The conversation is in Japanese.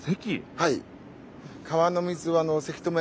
はい。